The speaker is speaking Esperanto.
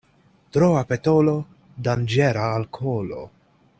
Troa petolo danĝera al kolo.